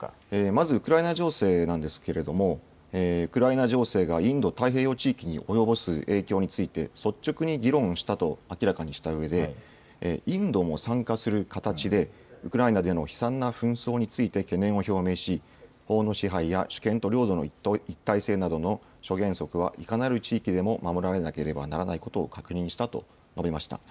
まず、ウクライナ情勢なんですけれども、ウクライナ情勢がインド太平洋地域に及ぼす影響について、率直に議論したと明らかにしたうえで、インドも参加する形で、ウクライナでの悲惨な紛争について懸念を表明し、法の支配や主権と領土の一体性などの諸原則はいかなる地域でも守られなければならないことを確認したと述べました。